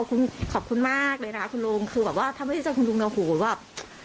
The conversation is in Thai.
ขอบคุณขอบคุณมากเลยนะครับคุณลุงคือแบบว่ามัู้ว่า